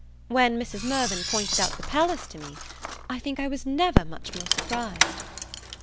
When Mrs. Mirvan pointed out the Palace to me I think I was never much more surprised.